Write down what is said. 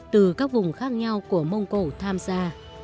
từ các vùng khác nhau của mông cổ tham gia